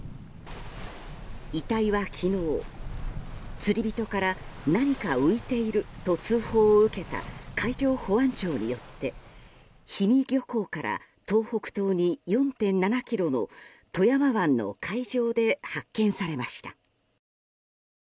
遺体は昨日釣り人から何か浮いていると通報を受けた海上保安庁によって氷見漁港から東北東に４．７ｋｍの富山湾の海上で発見されました。